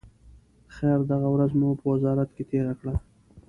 خیر، دغه ورځ مو په وزارت کې تېره کړه.